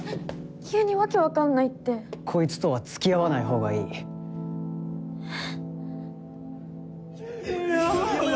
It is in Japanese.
急に訳分かんないってこいつとは付き合わない方がいいえ？